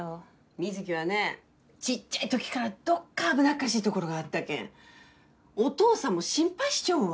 美月はねちっちゃい時からどっか危なっかしいところがあったけんお父さんも心配しちょるわ。